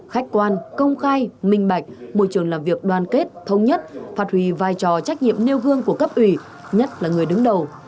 khách quan công khai minh bạch môi trường làm việc đoàn kết thống nhất phát huy vai trò trách nhiệm nêu gương của cấp ủy nhất là người đứng đầu